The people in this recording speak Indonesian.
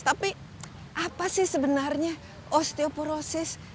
tapi apa sih sebenarnya osteoporosis